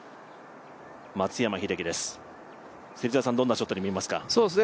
松山英樹です、芹澤さん、どんなショットに見えますか？